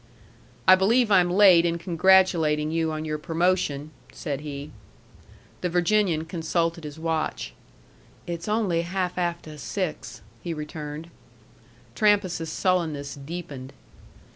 "I believe I'm late in congratulating you on your promotion," said he. The Virginian consulted his watch. "It's only half afteh six," he returned. Trampas's sullenness deepened.